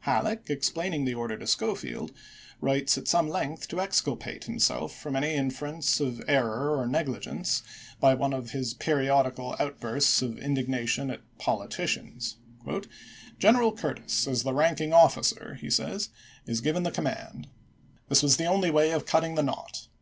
Halleck, explaining the p'. 653. order to Schofield, writes at some length to excul pate himself from any inference of error or negli gence by one of his periodical bursts of indignation at " politicians ":" General Curtis, as the ranking officer," he says, " is given the command. This was the only way of cutting the knot.